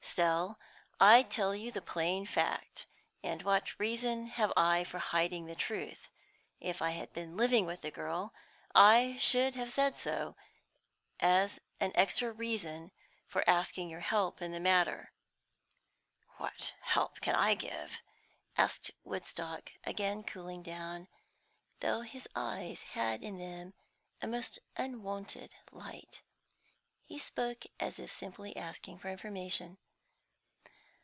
Still, I tell you the plain fact; and what reason have I for hiding the truth? If I had been living with the girl, I should have said so, as an extra reason for asking your help in the matter." "What help can I give?" asked Woodstock, again cooling down, though his eyes had in them a most unwonted light. He spoke as if simply asking for information.